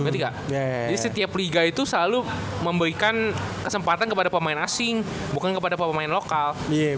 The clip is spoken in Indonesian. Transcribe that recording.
jadi setiap liga itu selalu memberikan kesempatan kepada pemain asing bukan kepada pemain lokal